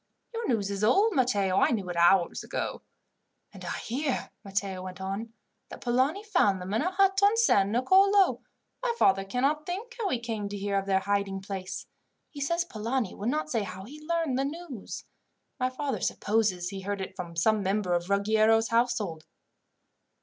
"Your news is old, Matteo. I knew it hours ago." "And I hear," Matteo went on, "that Polani found them in a hut on San Nicolo. My father cannot think how he came to hear of their hiding place. He says Polani would not say how he learned the news. My father supposes he heard it from some member of Ruggiero's household."